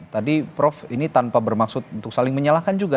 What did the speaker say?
tadi prof ini tanpa bermaksud untuk saling menyalahkan juga